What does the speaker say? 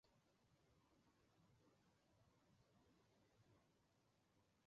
普雷塞克是德国巴伐利亚州的一个市镇。